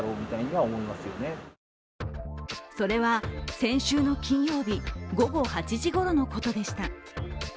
それは先週の金曜日午後８時ごろのことでした。